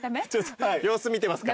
様子見てますから僕が。